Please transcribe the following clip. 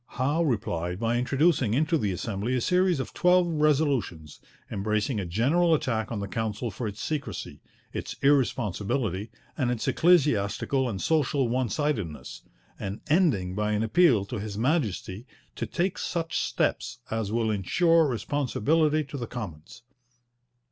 Howe replied by introducing into the Assembly a series of twelve resolutions, embracing a general attack on the Council for its secrecy, its irresponsibility, and its ecclesiastical and social one sidedness, and ending by an appeal to His Majesty 'to take such steps as will ensure responsibility to the Commons.'